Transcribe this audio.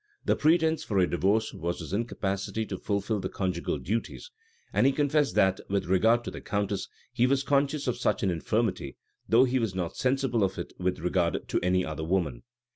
The pretence for a divorce was his incapacity to fulfil the conjugal duties; and he confessed that, with regard to the countess, he was conscious of such an infirmity, though he was not sensible of it with regard to any other woman.